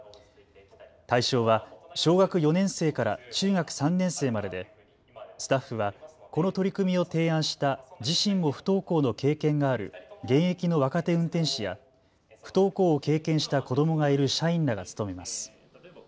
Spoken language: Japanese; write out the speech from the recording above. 対象は小学４年生から中学３年生まででスタッフはこの取り組みを提案した自身も不登校の経験がある現役の若手運転士や不登校を経験した子どもがいる社員らが務めます。